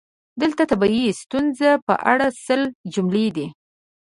دلته د طبیعي ستونزو په اړه سل جملې دي: